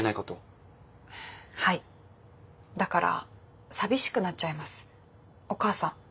はいだから寂しくなっちゃいますお母さん。